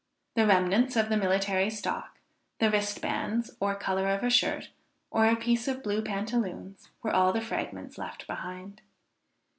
The remnants of the military stock; the wristbands, or color of a shirt, or a piece of blue pantaloons, were all the fragments left behind.